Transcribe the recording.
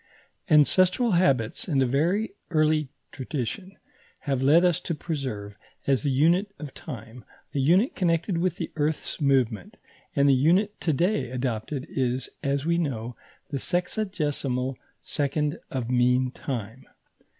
Ancestral habits and a very early tradition have led us to preserve, as the unit of time, a unit connected with the earth's movement; and the unit to day adopted is, as we know, the sexagesimal second of mean time.